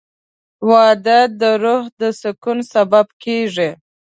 • واده د روح د سکون سبب کېږي.